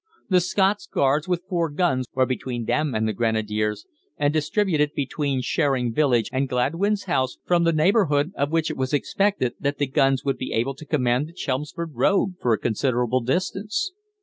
The Scots Guards with four guns were between them and the Grenadiers, and distributed between Sheering village and Gladwyns House, from the neighbourhood of which it was expected that the guns would be able to command the Chelmsford Road for a considerable distance.